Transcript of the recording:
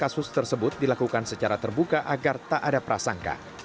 kasus tersebut dilakukan secara terbuka agar tak ada prasangka